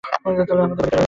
আমাদের বাড়িতে কার বিয়ে?